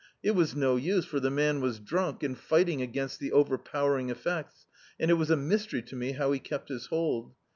It was no use, for the man was drunk and fitting against the overpowering effects, and it was a mystery to me how he kept his hold.